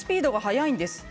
成長スピードが早いんです。